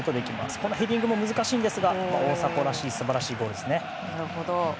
このヘディングも難しいんですが大迫らしい素晴らしいゴールですね。